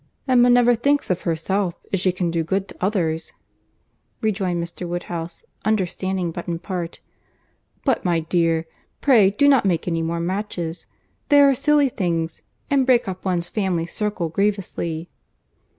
"Emma never thinks of herself, if she can do good to others," rejoined Mr. Woodhouse, understanding but in part. "But, my dear, pray do not make any more matches; they are silly things, and break up one's family circle grievously."